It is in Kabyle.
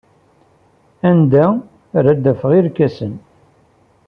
Anda ara d-afeɣ irkasen?